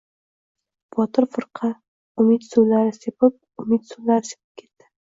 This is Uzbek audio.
Botir firqa umid suvlari sepib, umid suvlari sepib ketdi.